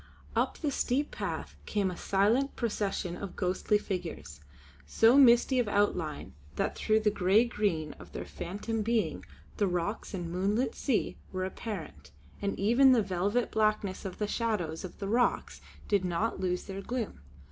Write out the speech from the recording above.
Up the steep path came a silent procession of ghostly figures, so misty of outline that through the grey green of their phantom being the rocks and moonlit sea were apparent, and even the velvet blackness of the shadows of the rocks did not lose their gloom.